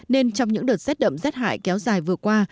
nên trong những đợt rét đậm rét hại kéo dài vừa qua